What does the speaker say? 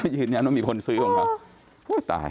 ยืนยันว่ามีคนซื้อของเขาตาย